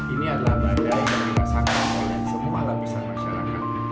ini adalah badai yang dirasakan oleh semua lapisan masyarakat